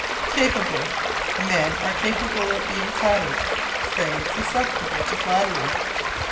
Capable. "Men are capable of being flattered." Say, susceptible to flattery.